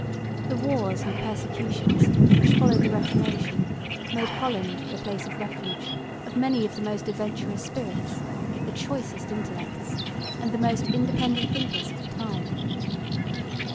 The wars and persecutions which followed the Reformation made Holland the place of refuge of many of the most adventurous spirits, the choicest intellects and the most independent thinkers of the time.